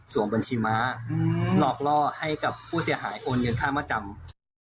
บัญชีม้าหลอกล่อให้กับผู้เสียหายโอนเงินค่ามาจำ